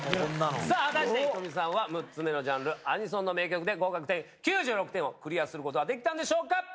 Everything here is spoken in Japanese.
さぁ果たしてｈｉｔｏｍｉさんは６つ目のジャンルアニソンの名曲で合格点９６点をクリアすることはできたんでしょうか。